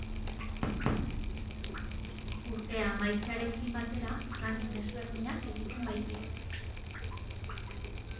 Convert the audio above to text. Urtea amaitzearekin batera ranking ezberdinak egiten baitira.